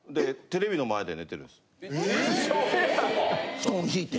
布団敷いて？